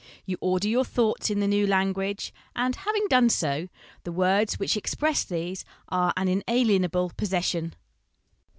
You order your thoughts in the new language, and, having done so, the words which express these are an inalienable possession.